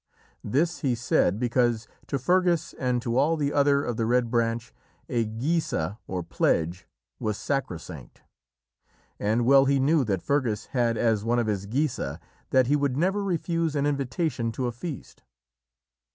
This he said, because to Fergus and to all the other of the Red Branch, a geasa, or pledge, was sacrosanct. And well he knew that Fergus had as one of his geasa that he would never refuse an invitation to a feast.